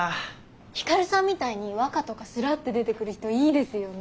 光さんみたいに和歌とかスラッと出てくる人いいですよね。